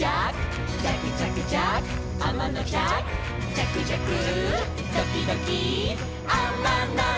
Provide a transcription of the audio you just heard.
「じゃくじゃくドキドキあまのじゃく」